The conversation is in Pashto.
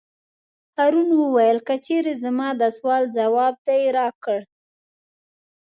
هارون وویل: که چېرې زما د سوال ځواب دې راکړ.